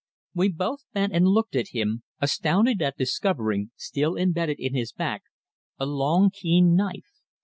We both bent and looked at him, astounded at discovering, still imbedded in his back, a long keen knife.